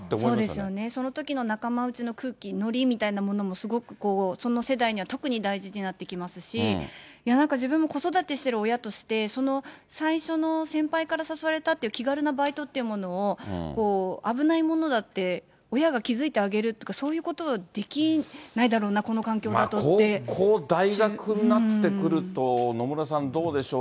そうですよね、そのときの仲間内の空気、のりみたいなものもすごく、その世代には特に大事になってきますし、いやなんか、自分も子育てしてる親として、最初の先輩から誘われたっていう気軽なバイトっていうものを、危ないものだって親が気付いてあげるとか、そういうことができな高校、大学になってくると、野村さん、どうでしょう。